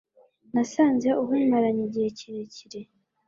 nasanze ubimaranye igihe kirekire.